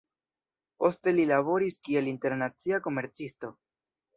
Poste li laboris kiel internacia komercisto.